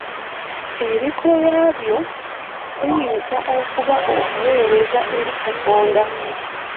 Ebikolwa byo biyinza okuba obuwereza eri Katonda .